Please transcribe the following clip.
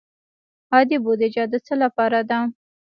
عادي بودجه د څه لپاره ده؟